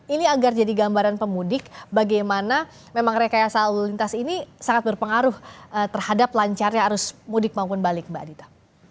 ini agar jadi gambaran pemudik bagaimana memang rekayasa lalu lintas ini sangat berpengaruh terhadap lancarnya arus mudik maupun balik mbak adita